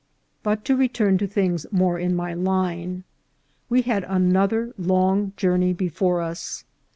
But to return to things more in my line. We had another long journey before us.